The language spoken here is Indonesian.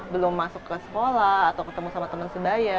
belum masuk ke sekolah atau ketemu sama teman sebaya